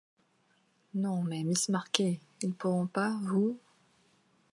Non mais Miss Marquet, ils pourront pas vous…